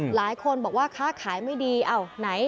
หลายคนบอกว่าค้าขายไม่ดีอ้าวไหน